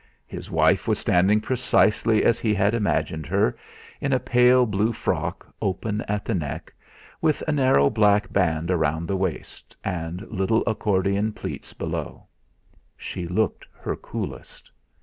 His wife was standing precisely as he had imagined her, in a pale blue frock open at the neck, with a narrow black band round the waist, and little accordion pleats below. She looked her coolest.